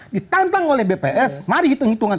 ditantang oleh bps mari hitung hitungan